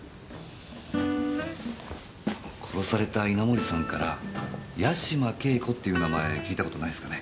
殺された稲盛さんから八島景子っていう名前聞いた事ないすかね？